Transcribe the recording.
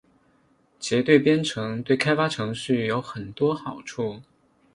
结对编程对开发程序有很多好处。